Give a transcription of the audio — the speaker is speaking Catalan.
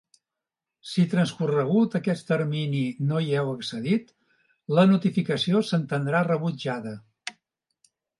Si transcorregut aquest termini no hi heu accedit, la notificació s'entendrà rebutjada.